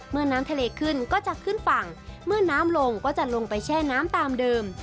น้ำทะเลขึ้นก็จะขึ้นฝั่งเมื่อน้ำลงก็จะลงไปแช่น้ำตามเดิม